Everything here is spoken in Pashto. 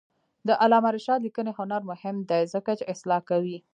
د علامه رشاد لیکنی هنر مهم دی ځکه چې اصلاح کوي.